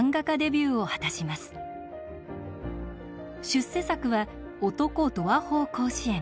出世作は「男どアホウ甲子園」。